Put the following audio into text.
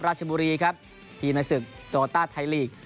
ราชบุรีครับทีมในศึกโตโลต้าไทยลีก